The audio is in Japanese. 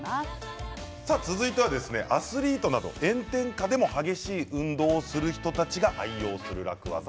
続いてはアスリートなど炎天下でも激しい運動をする人たちが愛用する楽ワザ